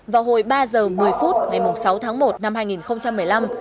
vào hồi ba giờ một mươi phút ngày sáu tháng một năm hai nghìn một mươi năm